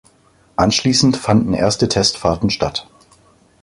Anschließend fanden erste Testfahrten statt.